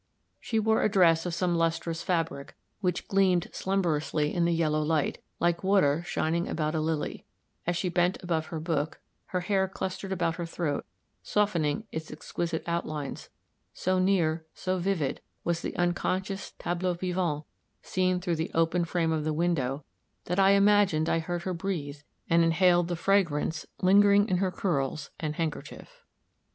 She wore a dress of some lustrous fabric, which gleamed slumberously in the yellow light, like water shining about a lily; as she bent above her book, her hair clustered about her throat, softening its exquisite outlines; so near, so vivid, was the unconscious tableau vivant, seen through the open frame of the window, that I imagined I heard her breathe, and inhaled the fragrance lingering in her curls and handkerchief.